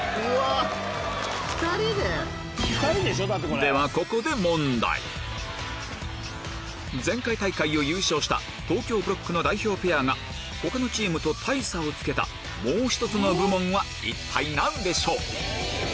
ではここで前回大会を優勝した東京ブロックの代表ペアが他のチームと大差をつけたもう一つの部門は一体何でしょう？